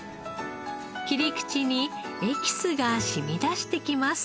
切り口にエキスが染み出してきます。